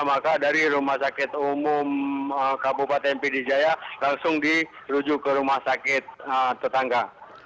maka dari rumah sakit umum kabupaten pd jaya langsung dirujuk ke rumah sakit tetangga